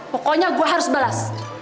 pokoknya gue harus balas